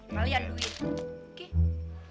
malian dulu ya